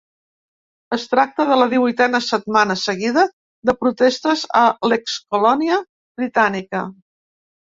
Es tracta de la divuitena setmana seguida de protestes a l’ex-colònia britànica.